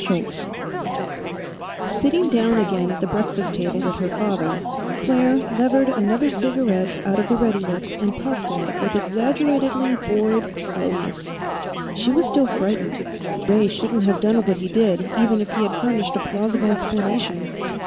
Sitting down again at the breakfast table with her father, Claire levered another cigarette out of the Readilit and puffed at it with exaggeratedly bored slowness. She was still frightened. Ray shouldn't have done what he did, even if he had furnished a plausible explanation.